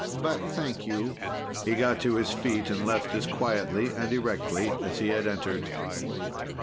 But thank you." He got to his feet and left as quietly and erectly as he had entered.